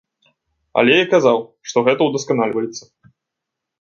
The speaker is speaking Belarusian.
Але я казаў, што гэта удасканальваецца.